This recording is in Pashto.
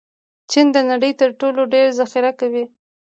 چین د نړۍ تر ټولو ډېر ذخیره کوي.